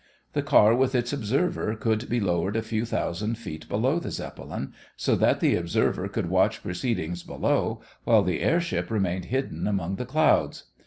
The car with its observer could be lowered a few thousand feet below the Zeppelin, so that the observer could watch proceedings below, while the airship remained hidden among the clouds.